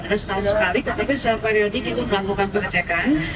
ada setahun sekali tetapi secara periodik kita melakukan pengecekan